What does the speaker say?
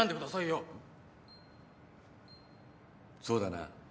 そうだな。